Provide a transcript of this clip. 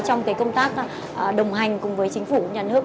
trong công tác đồng hành cùng với chính phủ nhà nước